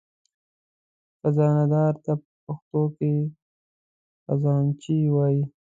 خزانهدار ته په پښتو کې خزانهچي وایي.